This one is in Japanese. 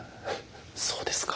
そうですか。